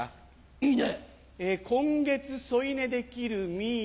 いいね。